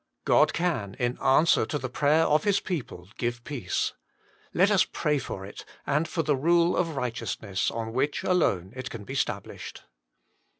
God can, in answer to the prayer of His people, give peace. Let us pray for it, and for the rule of righteousness on which alone it can be stablished.